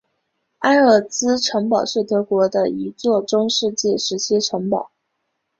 埃尔茨城堡是德国的一座中世纪时期城堡。